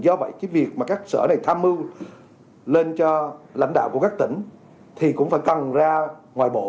do vậy cái việc mà các sở này tham mưu lên cho lãnh đạo của các tỉnh thì cũng phải cần ra ngoài bộ